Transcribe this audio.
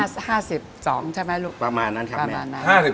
สวัสดีครับสวัสดีครับ